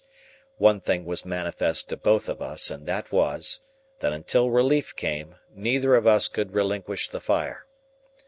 One thing was manifest to both of us, and that was, that until relief came, neither of us could relinquish the fire.